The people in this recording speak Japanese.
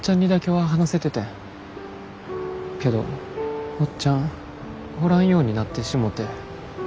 けどおっちゃんおらんようになってしもて。